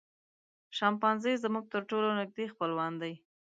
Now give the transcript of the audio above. شامپانزي زموږ تر ټولو نږدې خپلوان دي.